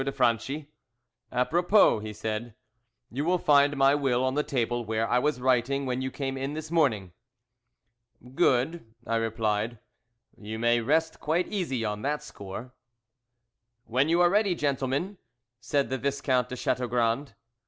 de Franchi. "Apropos," he said, "you will find my will on the table where I was writing when you came in this morning." "Good," I replied, "you may rest quite easy on that score." "When you are ready, gentlemen," said the Viscount de Chateaugrand.